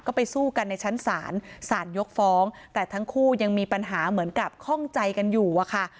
ก็ไปสู้กันในชั้นศาลศาลยกฟ้องแต่ทั้งคู่ยังมีปัญหาเหมือนกับข้องใจกันอยู่อะค่ะ